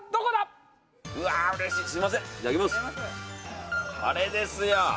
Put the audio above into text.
これですよ